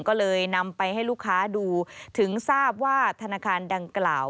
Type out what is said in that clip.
ก็เลยนำไปให้ลูกค้าดูถึงทราบว่าธนาคารดังกล่าว